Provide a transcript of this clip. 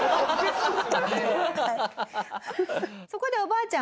そこでおばあちゃんはですね